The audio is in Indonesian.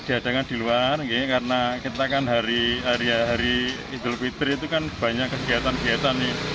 diadakan di luar karena kita kan hari hari idul fitri itu kan banyak kegiatan kegiatan